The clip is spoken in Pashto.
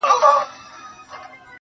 که يې منې زيارت ته راسه زما واده دی گلي~